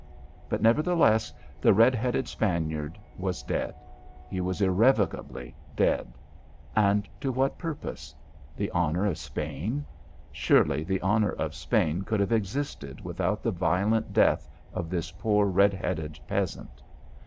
But, nevertheless, the red headed Spaniard was dead. He was irrevocably dead. And to what purpose? The honour of Spain? Surely the honour of Spain could have existed without the violent death of this poor red headed peasant?